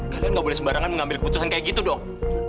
kalian gak boleh sembarangan mengambil keputusan kayak gitu dong